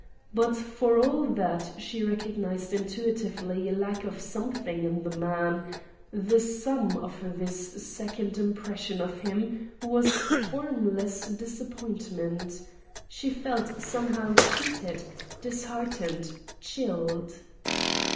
But for all that she recognized intuitively a lack of something in the man, the sum of this second impression of him was formless disappointment, she felt somehow cheated, disheartened, chilled.